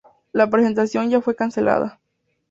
La presentación ya fue cancelada.